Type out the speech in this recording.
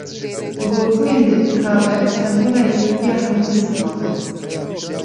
Bi gotinên din Kabe sembola yekîtiya hemû misilmanan e.